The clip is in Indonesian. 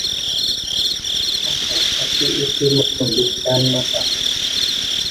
asap api itu memedihkan mata